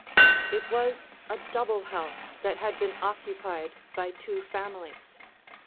It was a double house that had been occupied by two families.